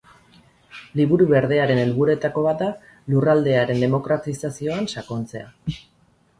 Liburu Berdearen helburuetako bat da lurraldearen demokratizazioan sakontzea.